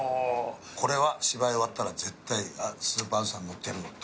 これは芝居終わったら絶対スーパーあずさに乗ってやるぞって。